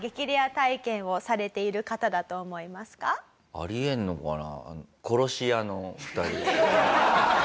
あり得るのかな？